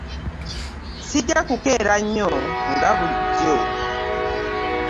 Ssija kukeera nnyo nga bulijjo.